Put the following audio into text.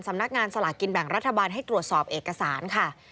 สำนักงานสลากกินแบ่งรัฐบาลให้ตรวจสอบเอกสารค่ะ